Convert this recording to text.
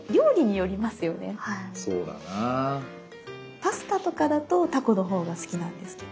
パスタとかだとタコのほうが好きなんですけど。